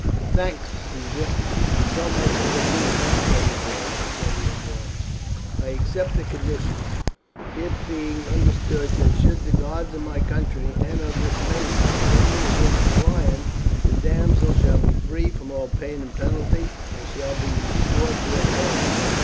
"Thanks, Caesar, for so much of a boon," he said in a loud, steady voice; "I accept the conditions, it being understood that should the gods of my country, and of this maiden, defend me against the lion, the damsel shall be free from all pain and penalty, and shall be restored to her parents."